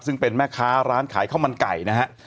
ซึ่งเป็นแม่ค้าร้านขายข้าวมันไก่นะฮะ